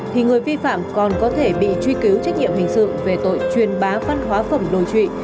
thì người vi phạm còn có thể bị truy cứu trách nhiệm hình sự về tội truyền bá văn hóa phẩm đồi trụy